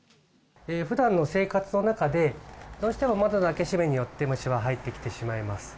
ふだんの生活の中で、どうしても窓の開け閉めによって虫は入ってきてしまいます。